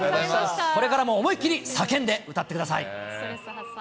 これからも思いっ切り叫んで歌ってください。